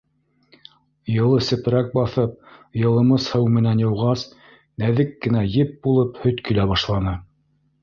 Йылы сепрәк баҫып, йылымыс һыу менән йыуғас, нәҙек кенә еп булып һөт килә башланы.